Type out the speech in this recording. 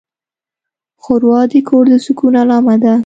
ښوروا د کور د سکون علامه ده.